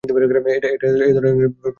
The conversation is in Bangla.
এটা এ-ধরনের প্রধান ধারার তারা।